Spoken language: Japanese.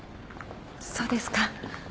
そうですか。